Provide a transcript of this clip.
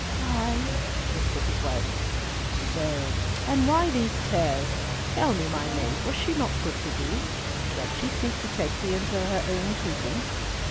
"Ay," whispered his wife. "So! And why these tears? Tell me, my maid, was not she good to thee? Doth she seek to take thee into her own keeping?"